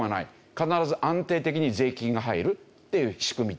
必ず安定的に税金が入るっていう仕組みだったんですよ。